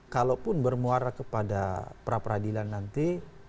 kalaupun bermuara kepada pra peradilan nanti